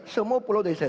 semua pulau dari saya